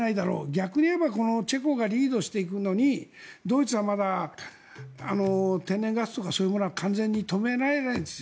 逆に言えばチェコがリードしていくのにドイツはまだ天然ガスとかそういうものは完全に止められないんです。